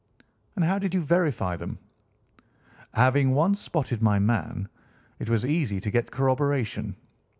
"And how did you verify them?" "Having once spotted my man, it was easy to get corroboration.